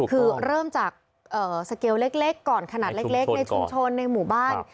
คือเริ่มจากสเกลเล็กก่อนขนาดเล็กในชุมชนในหมู่บ้าน